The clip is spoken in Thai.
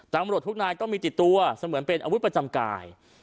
ตำรวจทุกนายต้องมีติดตัวเสมือนเป็นอาวุธประจำกาย